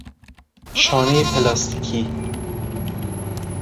شانهی پلاستیکی